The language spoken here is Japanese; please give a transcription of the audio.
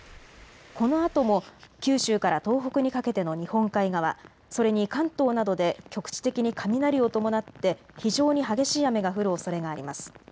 このあとも九州から東北にかけての日本海側、それに関東などで局地的に雷を伴って非常に激しい雨が降るおそれがあります。